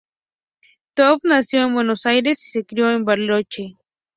Taub nació en Buenos Aires y se crío en Bariloche.